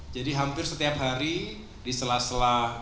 jadi hampir setiap hari di sela sela kegiatan